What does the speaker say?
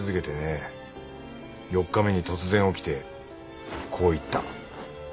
４日目に突然起きてこう言った。